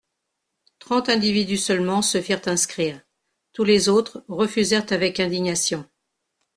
Trente individus seulement se firent inscrire ; tous les autres refusèrent avec indignation.